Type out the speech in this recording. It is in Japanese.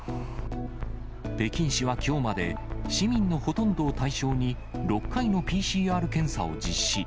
北京市はきょうまで、市民のほとんどを対象に、６回のＰＣＲ検査を実施。